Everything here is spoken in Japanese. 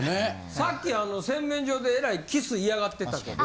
さっきあの洗面所でえらいキス嫌がってたけど。